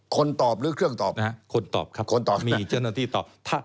คนตอบหรือเครื่องตอบนะฮะคนตอบครับคนตอบมีเจ้าหน้าที่ตอบ